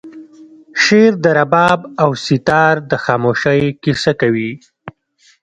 شعر د رباب او سیتار د خاموشۍ کیسه کوي